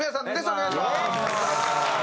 お願いします。